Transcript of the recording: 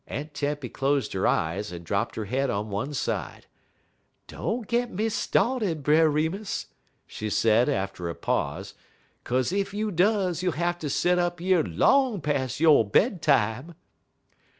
Aunt Tempy closed her eyes and dropped her head on one side. "Don't git me started, Brer Remus," she said, after a pause; "'kaze ef you does you'll hatter set up yer long pas' yo' bedtime."